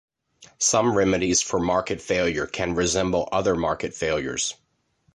Some remedies for market failure can resemble other market failures.